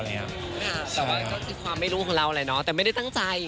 แต่ว่าก็คือความไม่รู้ของเราแหละเนาะแต่ไม่ได้ตั้งใจ